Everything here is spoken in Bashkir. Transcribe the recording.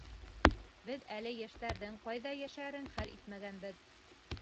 Беҙ әле йәштәрҙең ҡайҙа йәшәрен хәл итмәгәнбеҙ!